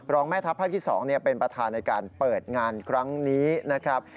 แม่ทัพภาคที่๒เป็นประธานในการเปิดงานครั้งนี้นะครับ